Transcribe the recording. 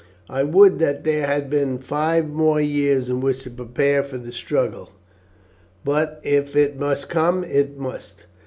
I would that there had been five more years in which to prepare for the struggle, but if it must come it must.